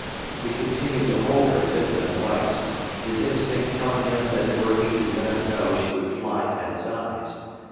He continued to hold her as if in a vice, his instinct telling him that were he to let her go she would fly at his eyes.